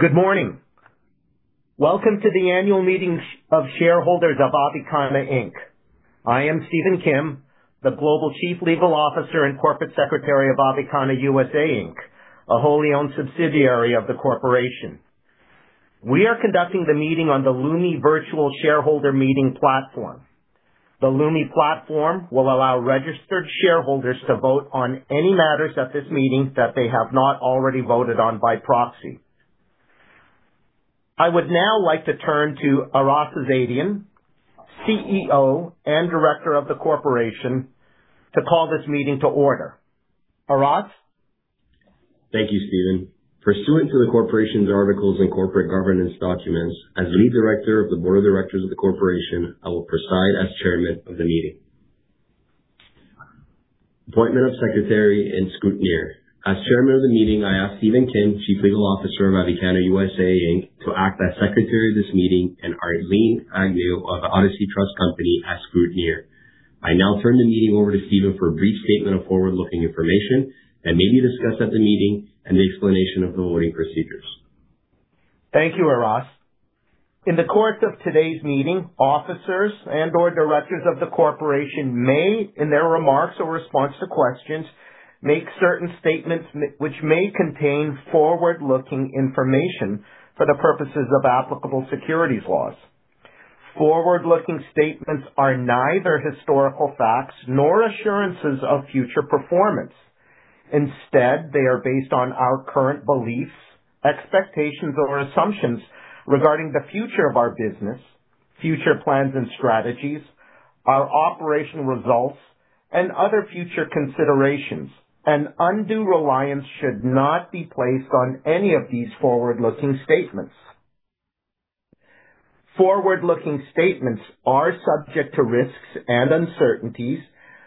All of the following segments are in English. Good morning. Welcome to the annual meeting of shareholders of Avicanna Inc. I am Stephen Kim, the Global Chief Legal Officer and Corporate Secretary of Avicanna USA Inc., a wholly-owned subsidiary of the corporation. We are conducting the meeting on the Lumi Virtual Shareholder Meeting platform. The Lumi platform will allow registered shareholders to vote on any matters at this meeting that they have not already voted on by proxy. I would now like to turn to Aras Azadian, CEO and Director of the corporation, to call this meeting to order. Aras. Thank you, Stephen. Pursuant to the corporation's articles and corporate governance documents, as Lead Director of the Board of Directors of the corporation, I will preside as chairman of the meeting. Appointment of Secretary and Scrutineer. As chairman of the meeting, I ask Stephen Kim, Chief Legal Officer of Avicanna USA Inc. to act as secretary of this meeting and Arlene Agnew of Odyssey Trust Company as scrutineer. I now turn the meeting over to Stephen for a brief statement of forward-looking information that may be discussed at the meeting and the explanation of the voting procedures. Thank you, Aras. In the course of today's meeting, officers and or directors of the corporation may, in their remarks or response to questions, make certain statements which may contain forward-looking information for the purposes of applicable securities laws. Forward-looking statements are neither historical facts nor assurances of future performance. Instead, they are based on our current beliefs, expectations or assumptions regarding the future of our business, future plans and strategies, our operational results, and other future considerations. Undue reliance should not be placed on any of these forward-looking statements. Forward-looking statements are subject to risks and uncertainties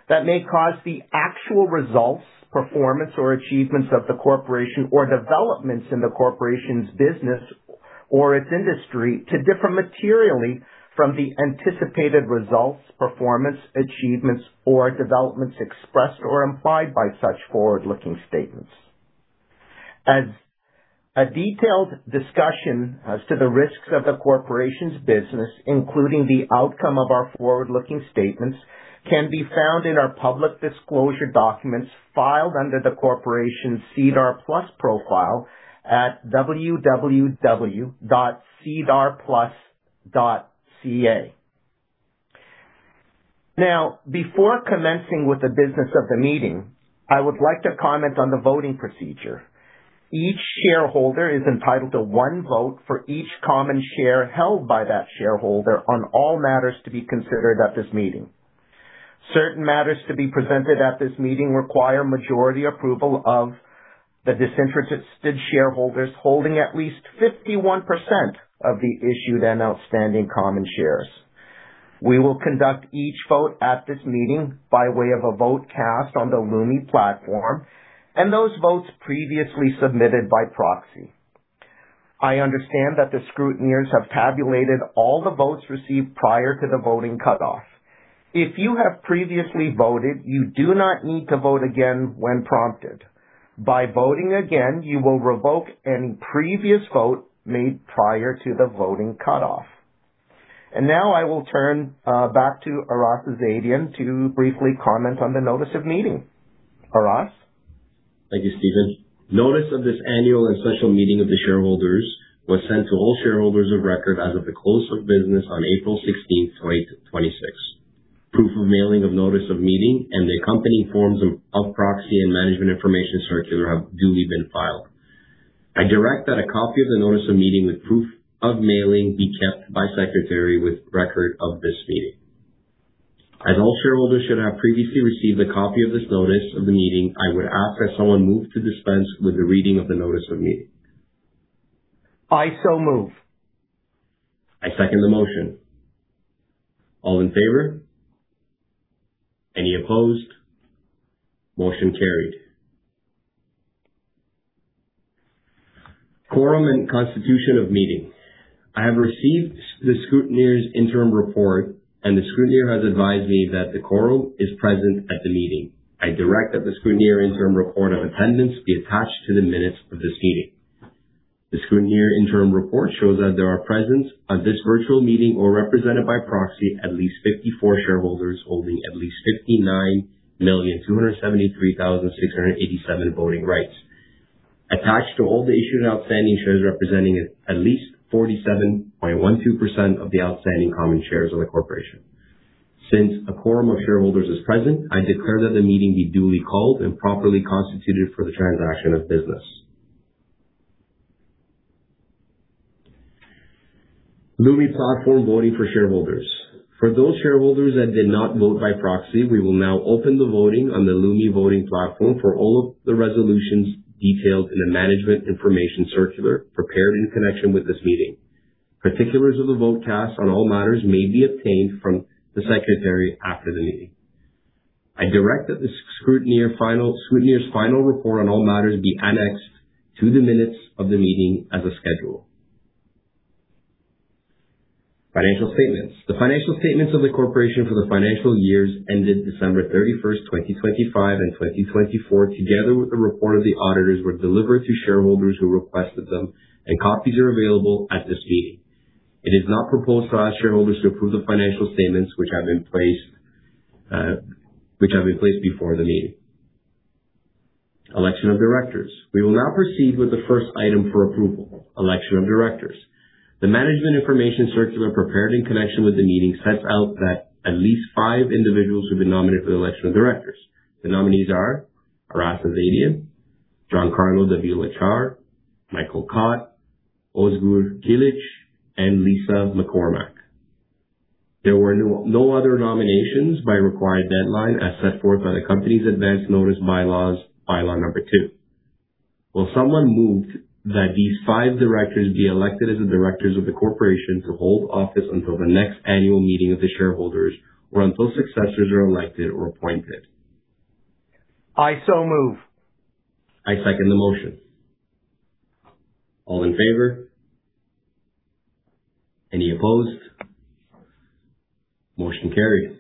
that may cause the actual results, performance or achievements of the corporation or developments in the corporation's business or its industry to differ materially from the anticipated results, performance, achievements or developments expressed or implied by such forward-looking statements. A detailed discussion as to the risks of the corporation's business, including the outcome of our forward-looking statements, can be found in our public disclosure documents filed under the corporation's SEDAR+ profile at www.sedarplus.ca. Before commencing with the business of the meeting, I would like to comment on the voting procedure. Each shareholder is entitled to one vote for each common share held by that shareholder on all matters to be considered at this meeting. Certain matters to be presented at this meeting require majority approval of the disinterested shareholders holding at least 51% of the issued and outstanding common shares. We will conduct each vote at this meeting by way of a vote cast on the Lumi platform and those votes previously submitted by proxy. I understand that the scrutineers have tabulated all the votes received prior to the voting cutoff. If you have previously voted, you do not need to vote again when prompted. By voting again, you will revoke any previous vote made prior to the voting cutoff. Now I will turn back to Aras Azadian to briefly comment on the notice of meeting. Aras. Thank you, Stephen. Notice of this annual and special meeting of the shareholders was sent to all shareholders of record as of the close of business on April 16th, 2026. Proof of mailing of notice of meeting and the accompanying forms of proxy and management information circular have duly been filed. I direct that a copy of the notice of meeting with proof of mailing be kept by Secretary with record of this meeting. As all shareholders should have previously received a copy of this notice of the meeting, I would ask that someone move to dispense with the reading of the notice of meeting. I so move. I second the motion. All in favor? Any opposed? Motion carried. Quorum and constitution of meeting. I have received the scrutineer's interim report, and the scrutineer has advised me that the quorum is present at the meeting. I direct that the scrutineer interim report of attendance be attached to the minutes of this meeting. The scrutineer interim report shows that there are present at this virtual meeting or represented by proxy at least 54 shareholders holding at least 59,273,687 voting rights. Attached to all the issued outstanding shares representing at least 47.12% of the outstanding common shares of the corporation. Since a quorum of shareholders is present, I declare that the meeting be duly called and properly constituted for the transaction of business. Lumi platform voting for shareholders. For those shareholders that did not vote by proxy, we will now open the voting on the Lumi voting platform for all of the resolutions detailed in the management information circular prepared in connection with this meeting. Particulars of the vote cast on all matters may be obtained from the secretary after the meeting. I direct that the scrutineer's final report on all matters be annexed to the minutes of the meeting as a schedule. Financial statements. The financial statements of the corporation for the financial years ended December 31, 2025 and 2024, together with the report of the auditors, were delivered to shareholders who requested them, and copies are available at this meeting. It is not proposed to ask shareholders to approve the financial statements which have been placed before the meeting. Election of directors. We will now proceed with the first item for approval, election of directors. The management information circular prepared in connection with the meeting sets out that at least five individuals have been nominated for the election of directors. The nominees are Aras Azadian, Giancarlo Davila Char, Michael Kott, Ozgur Kilic, and Eileen McCormack. There were no other nominations by required deadline as set forth by the company's advance notice bylaws, bylaw number two. Will someone move that these five directors be elected as the directors of the corporation to hold office until the next annual meeting of the shareholders, or until successors are elected or appointed? I so move. I second the motion. All in favor? Any opposed? Motion carries.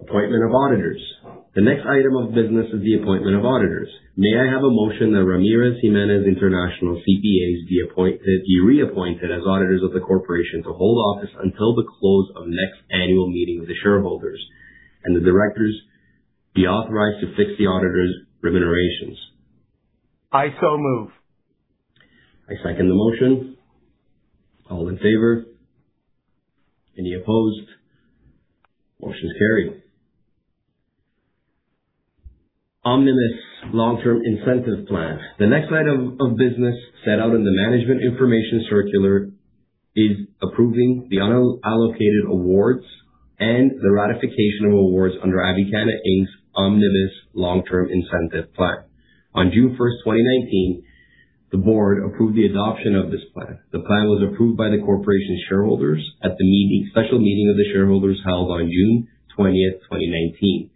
Appointment of auditors. The next item of business is the appointment of auditors. May I have a motion that Ramirez Jimenez International CPAs be reappointed as auditors of the corporation to hold office until the close of next annual meeting of the shareholders and the directors be authorized to fix the auditors' remunerations. I so move. I second the motion. All in favor? Any opposed? Motion carried. Omnibus Long-Term Incentive Plan. The next item of business set out in the management information circular is approving the unallocated awards and the ratification of awards under Avicanna Inc.'s Omnibus Long-Term Incentive Plan. On June 1, 2019, the board approved the adoption of this plan. The plan was approved by the corporation shareholders at the special meeting of the shareholders held on June 20, 2019,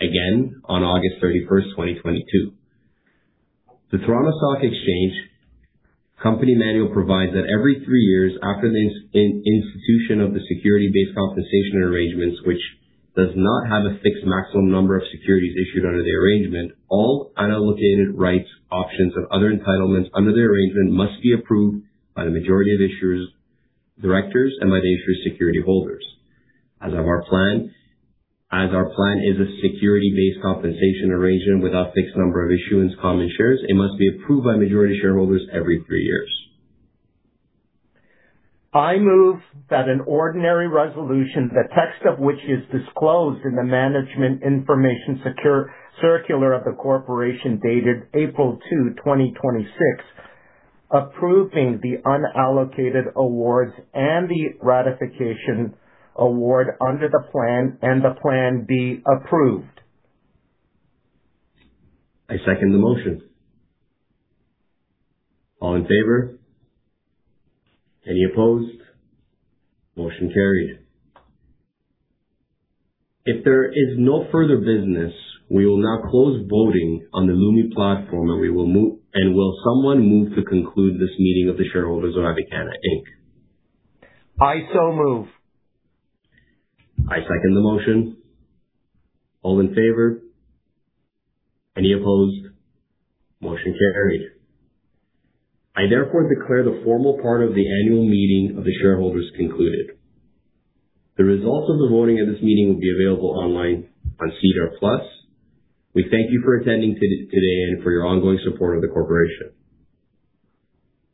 again on August 31, 2022. The Toronto Stock Exchange Company Manual provides that every three years after the institution of the security-based compensation arrangements, which does not have a fixed maximum number of securities issued under the arrangement, all unallocated rights, options, and other entitlements under the arrangement must be approved by the majority of the issuer's directors and by the issuer's security holders. As our plan is a security-based compensation arrangement with a fixed number of issuance common shares, it must be approved by a majority of shareholders every three years. I move that an ordinary resolution, the text of which is disclosed in the management information circular of the corporation dated April 2, 2026, approving the unallocated awards and the ratification award under the plan and the plan be approved. I second the motion. All in favor? Any opposed? Motion carried. If there is no further business, we will now close voting on the Lumi platform. Will someone move to conclude this meeting of the shareholders of Avicanna Inc? I so move. I second the motion. All in favor? Any opposed? Motion carried. I therefore declare the formal part of the annual meeting of the shareholders concluded. The results of the voting at this meeting will be available online on SEDAR+. We thank you for attending today and for your ongoing support of the corporation.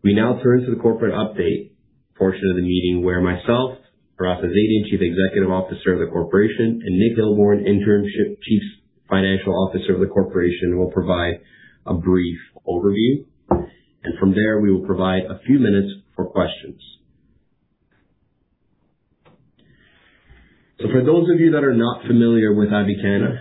We now turn to the corporate update portion of the meeting where myself, Aras Azadian, Chief Executive Officer of the corporation, and Nick Hilborn, Chief Financial Officer of the corporation, will provide a brief overview. From there, we will provide a few minutes for questions. For those of you that are not familiar with Avicanna,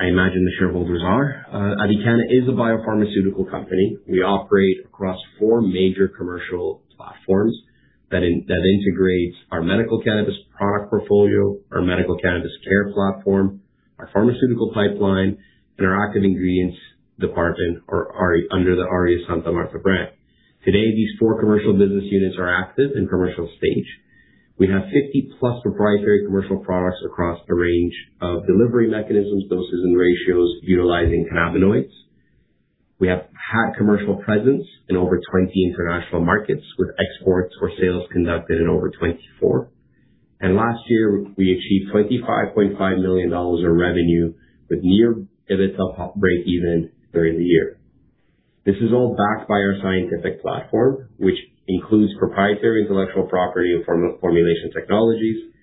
I imagine the shareholders are. Avicanna is a biopharmaceutical company. We operate across 4 major commercial platforms that integrates our medical cannabis product portfolio, our medical cannabis care platform, our pharmaceutical pipeline, and our active ingredients department are under the Aureus Santa Marta brand. Today, these four commercial business units are active in commercial stage. We have 50-plus proprietary commercial products across a range of delivery mechanisms, doses, and ratios utilizing cannabinoids. We have had commercial presence in over 20 international markets, with exports or sales conducted in over 24. Last year, we achieved 25.5 million dollars in revenue, with near EBITDA break even during the year. This is all backed by our scientific platform, which includes proprietary intellectual property and formulation technologies,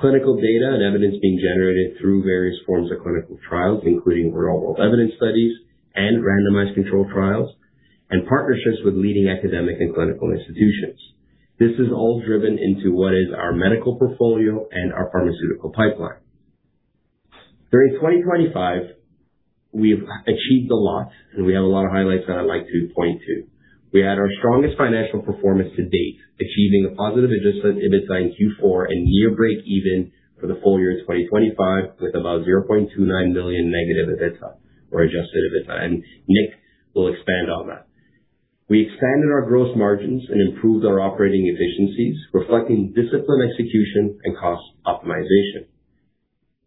clinical data and evidence being generated through various forms of clinical trials, including real-world evidence studies and randomized controlled trials, and partnerships with leading academic and clinical institutions. This is all driven into what is our medical portfolio and our pharmaceutical pipeline. During 2025, we've achieved a lot, and we have a lot of highlights that I'd like to point to. We had our strongest financial performance to date, achieving a positive adjusted EBITDA in Q4 and year break even for the full year 2025, with about 0.29 million negative EBITDA or adjusted EBITDA. Nick will expand on that. We expanded our gross margins and improved our operating efficiencies, reflecting disciplined execution and cost optimization.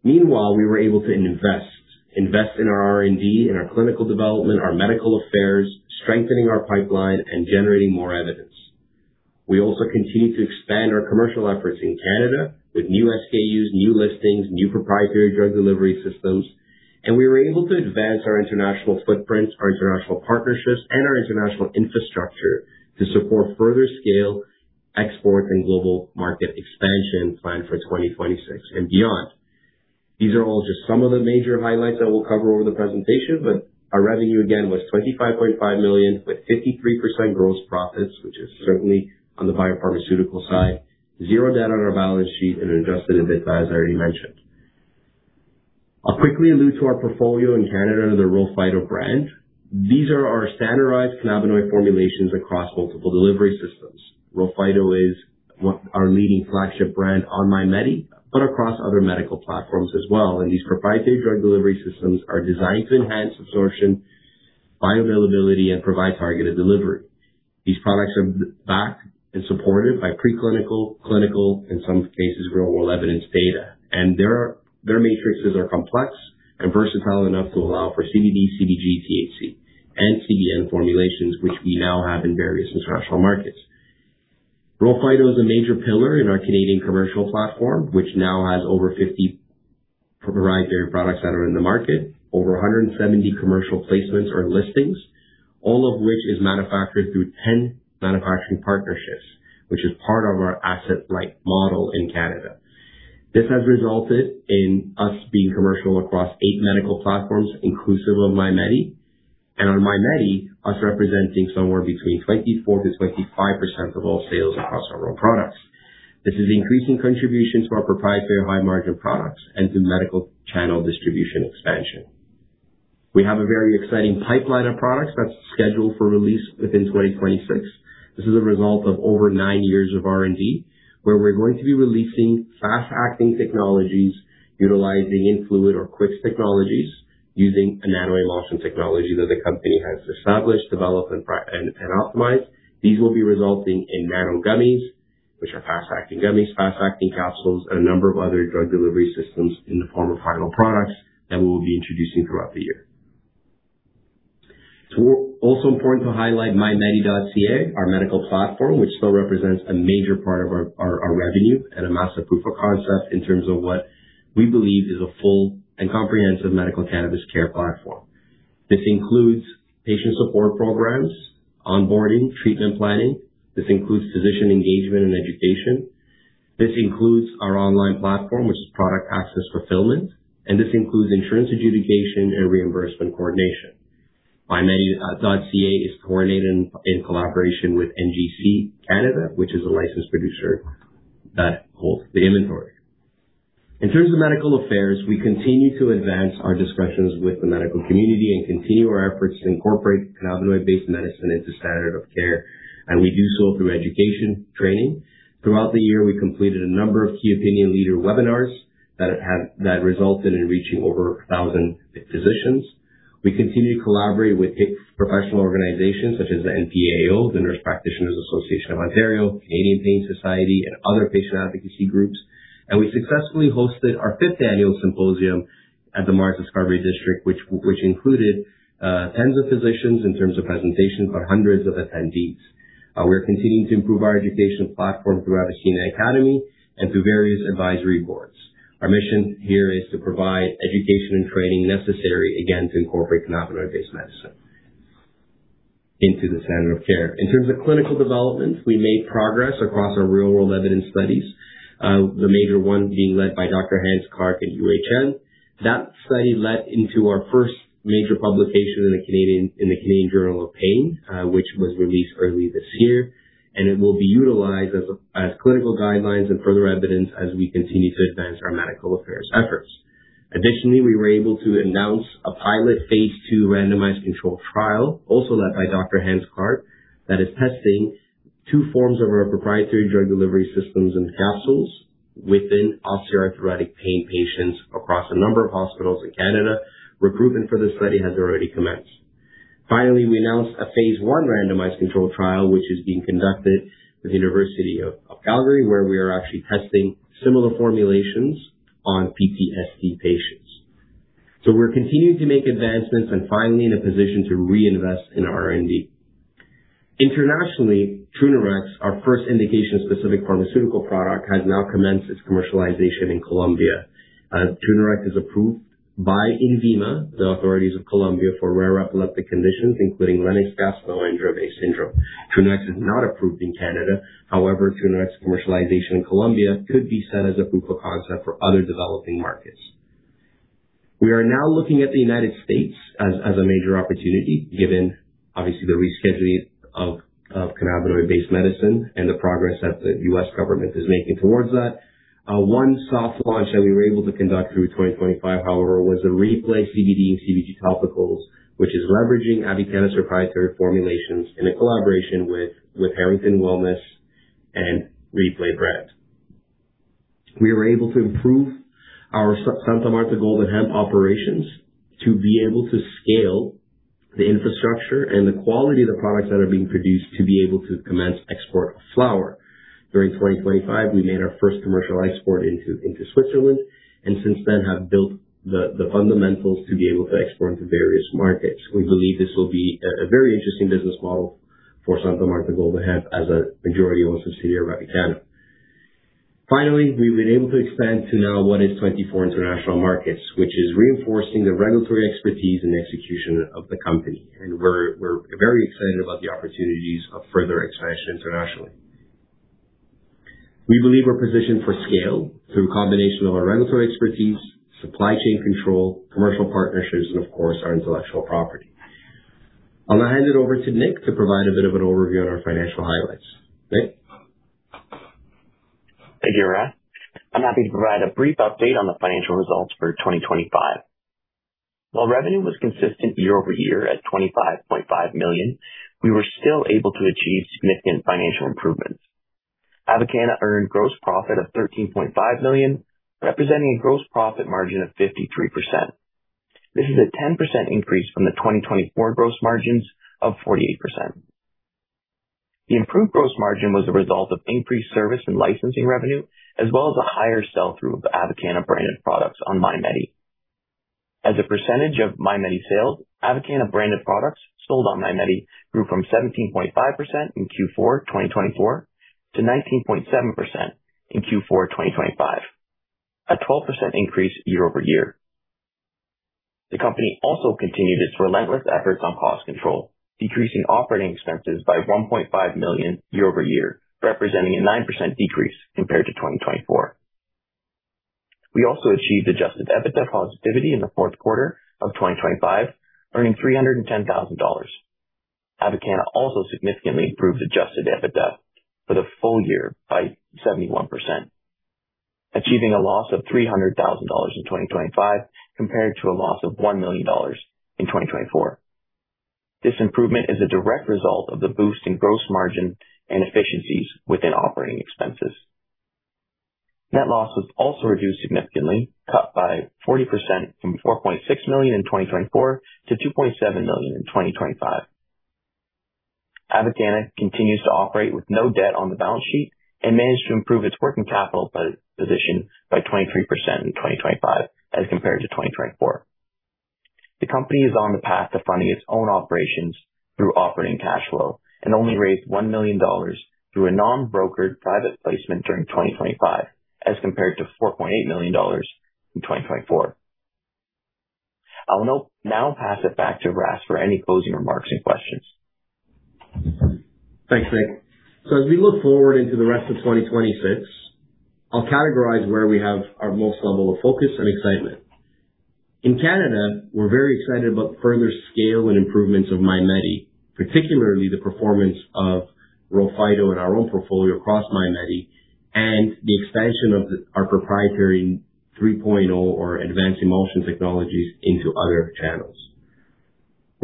Meanwhile, we were able to invest. Invest in our R&D, in our clinical development, our medical affairs, strengthening our pipeline and generating more evidence. We also continued to expand our commercial efforts in Canada with new SKUs, new listings, new proprietary drug delivery systems. We were able to advance our international footprint, our international partnerships, and our international infrastructure to support further scale, export and global market expansion planned for 2026 and beyond. These are all just some of the major highlights that we'll cover over the presentation, but our revenue again was 25.5 million with 53% gross profits, which is certainly on the biopharmaceutical side. Zero debt on our balance sheet and adjusted EBITDA, as I already mentioned. I'll quickly allude to our portfolio in Canada under the RHO Phyto brand. These are our standardized cannabinoid formulations across multiple delivery systems. RHO Phyto is what our leading flagship brand on MyMedi.ca, but across other medical platforms as well. These proprietary drug delivery systems are designed to enhance absorption, bioavailability, and provide targeted delivery. These products are backed and supported by preclinical, clinical, in some cases, real-world evidence data. Their matrices are complex and versatile enough to allow for CBD, CBG, THC, and CBN formulations, which we now have in various international markets. RHO Phyto is a major pillar in our Canadian commercial platform, which now has over 50 proprietary products that are in the market, over 170 commercial placements or listings, all of which is manufactured through 10 manufacturing partnerships, which is part of our asset-light model in Canada. This has resulted in us being commercial across eight medical platforms, inclusive of MyMedi.ca. On MyMedi.ca, us representing somewhere between 24%-25% of all sales across our RHO Phyto products. This is increasing contributions to our proprietary high-margin products and through medical channel distribution expansion. We have a very exciting pipeline of products that's scheduled for release within 2026. This is a result of over nine years of R&D, where we're going to be releasing fast-acting technologies utilizing in-fluid or quick technologies using a nanoemulsion technology that the company has established, developed, and optimized. These will be resulting in nano gummies, which are fast-acting gummies, fast-acting capsules, and a number of other drug delivery systems in the form of final products that we will be introducing throughout the year. It's also important to highlight MyMedi.ca, our medical platform, which still represents a major part of our revenue and a massive proof of concept in terms of what we believe is a full and comprehensive medical cannabis care platform. This includes patient support programs, onboarding, treatment planning. This includes physician engagement and education. This includes our online platform, which is product access fulfillment. This includes insurance adjudication and reimbursement coordination. MyMedi.ca is coordinated in collaboration with NGC Canada, which is a licensed producer that holds the inventory. In terms of medical affairs, we continue to advance our discussions with the medical community and continue our efforts to incorporate cannabinoid-based medicine into standard of care. We do so through education, training. Throughout the year, we completed a number of key opinion leader webinars that resulted in reaching over 1,000 physicians. We continue to collaborate with professional organizations such as the NPAO, the Nurse Practitioners' Association of Ontario, Canadian Pain Society, other patient advocacy groups. We successfully hosted our fifth annual symposium at the MaRS Discovery District, which included tens of physicians in terms of presentations, but hundreds of attendees. We're continuing to improve our education platform throughout the Avicanna Academy and through various advisory boards. Our mission here is to provide education and training necessary again to incorporate cannabinoid-based medicine into the standard of care. In terms of clinical development, we made progress across our real-world evidence studies. The major one being led by Dr. Hance Clarke at UHN. That study led into our first major publication in the Canadian Journal of Pain, which was released early this year. It will be utilized as clinical guidelines and further evidence as we continue to advance our medical affairs efforts. Additionally, we were able to announce a pilot phase II randomized controlled trial, also led by Dr. Hance Clarke, that is testing two forms of our proprietary drug delivery systems and capsules within osteoarthritic pain patients across a number of hospitals in Canada. Recruitment for this study has already commenced. We announced a phase I randomized controlled trial, which is being conducted with the University of Calgary, where we are actually testing similar formulations on PTSD patients. We're continuing to make advancements and finally in a position to reinvest in R&D. Internationally, Trunerox, our first indication-specific pharmaceutical product, has now commenced its commercialization in Colombia. Trunerox is approved by INVIMA, the authorities of Colombia, for rare epileptic conditions, including Lennox-Gastaut and Dravet syndrome. Trunerox is not approved in Canada. Trunerox commercialization in Colombia could be set as a proof of concept for other developing markets. We are now looking at the United States as a major opportunity, given obviously the rescheduling of cannabinoid-based medicine and the progress that the U.S. government is making towards that. One soft launch that we were able to conduct through 2025, however, was the re+PLAY CBD and CBG topicals, which is leveraging Avicanna's proprietary formulations in a collaboration with Harrington Wellness and re+PLAY brand. We were able to improve our Santa Marta Golden Hemp operations to be able to scale the infrastructure and the quality of the products that are being produced to be able to commence export of flower. During 2025, we made our first commercial export into Switzerland, and since then have built the fundamentals to be able to export into various markets. We believe this will be a very interesting business model for Santa Marta Golden Hemp as a majority-owned subsidiary of Avicanna. We've been able to expand to now what is 24 international markets, which is reinforcing the regulatory expertise and execution of the company. We're very excited about the opportunities of further expansion internationally. We believe we're positioned for scale through a combination of our regulatory expertise, supply chain control, commercial partnerships, and of course, our intellectual property. I'm gonna hand it over to Nick to provide a bit of an overview on our financial highlights. Nick. Thank you, Aras. I'm happy to provide a brief update on the financial results for 2025. While revenue was consistent year-over-year at 25.5 million, we were still able to achieve significant financial improvements. Avicanna earned gross profit of CAD 13.5 million, representing a gross profit margin of 53%. This is a 10% increase from the 2024 gross margins of 48%. The improved gross margin was a result of increased service and licensing revenue, as well as a higher sell-through of Avicanna-branded products on MyMedi.ca. As a percentage of MyMedi.ca sales, Avicanna-branded products sold on MyMedi.ca grew from 17.5% in Q4 2024 to 19.7% in Q4 2025. A 12% increase year-over-year. The company also continued its relentless efforts on cost control, decreasing operating expenses by 1.5 million year-over-year, representing a 9% decrease compared to 2024. We also achieved adjusted EBITDA positivity in the fourth quarter of 2025, earning 310,000 dollars. Avicanna also significantly improved adjusted EBITDA for the full year by 71%, achieving a loss of 300,000 dollars in 2025 compared to a loss of 1 million dollars in 2024. This improvement is a direct result of the boost in gross margin and efficiencies within operating expenses. Net loss was also reduced significantly, cut by 40% from 4.6 million in 2024 to 2.7 million in 2025. Avicanna continues to operate with no debt on the balance sheet and managed to improve its working capital position by 23% in 2025 as compared to 2024. The company is on the path to funding its own operations through operating cash flow and only raised 1 million dollars through a non-brokered private placement during 2025, as compared to 4.8 million dollars in 2024. I will now pass it back to Aras for any closing remarks and questions. Thanks, Nick. As we look forward into the rest of 2026, I'll categorize where we have our most level of focus and excitement. In Canada, we are very excited about further scale and improvements of MyMedi.ca, particularly the performance of RHO Phyto and our own portfolio across MyMedi.ca and the expansion of our proprietary 3.0 or advanced emulsion technologies into other channels.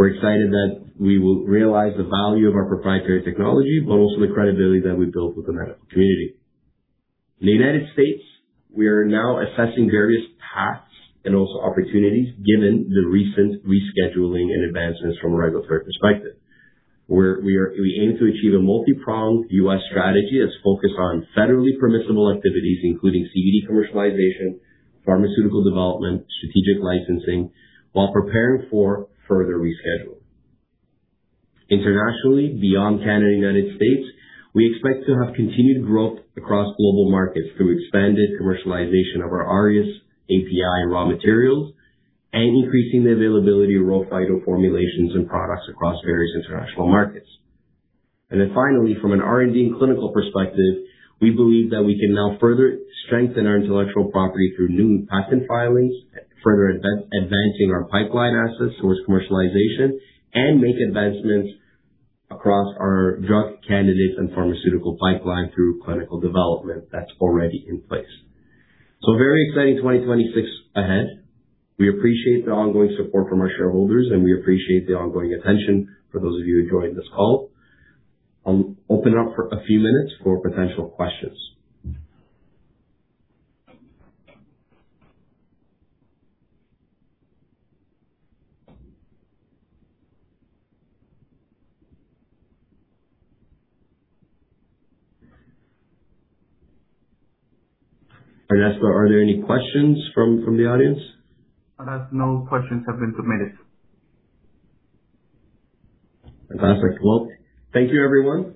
We are excited that we will realize the value of our proprietary technology, but also the credibility that we built with the medical community. In the United States, we are now assessing various paths and also opportunities given the recent rescheduling and advancements from a regulatory perspective. We aim to achieve a multi-pronged U.S. strategy that is focused on federally permissible activities, including CBD commercialization, pharmaceutical development, strategic licensing, while preparing for further reschedule. Internationally, beyond Canada and United States, we expect to have continued growth across global markets through expanded commercialization of our Aureus API raw materials and increasing the availability of RHO Phyto formulations and products across various international markets. Finally, from an R&D and clinical perspective, we believe that we can now further strengthen our intellectual property through new patent filings, further advancing our pipeline assets towards commercialization, and make advancements across our drug candidates and pharmaceutical pipeline through clinical development that's already in place. A very exciting 2026 ahead. We appreciate the ongoing support from our shareholders, and we appreciate the ongoing attention for those of you who joined this call. I'll open it up for a few minutes for potential questions. Ernesto, are there any questions from the audience? No questions have been submitted. Fantastic. Well, thank you everyone.